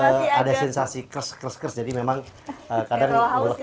masih ada sensasi kers kers kers jadi memang kadang nguleknya gak ini